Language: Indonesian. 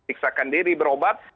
siksakan diri berobat